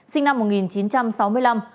sinh năm một nghìn chín trăm sáu mươi năm